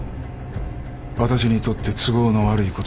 私にとって都合の悪いこととは。